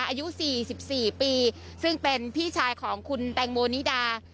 อายุ๔๔ปีซึ่งเป็นพี่ชายของคุณแตงโมนิดา